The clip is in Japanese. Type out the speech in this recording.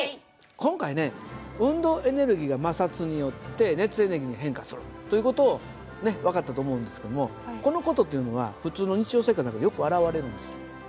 今回ね運動エネルギーが摩擦によって熱エネルギーに変化するという事を分かったと思うんですけどもこの事っていうのは普通の日常生活の中でよく現れるんですよ。